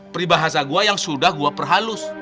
peribahasa gua yang sudah gua perhalus